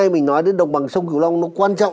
mình nói đến đồng bằng sông cửu long nó quan trọng